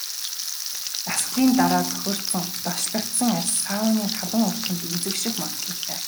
Дасгалын дараа бохирдсон, тослогжсон арьс сауны халуун орчинд эмзэгших магадлалтай.